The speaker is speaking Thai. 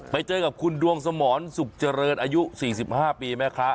ไปเจอกับคุณดวงสมรสุขเจริญอายุ๔๕ปีแม่ค้า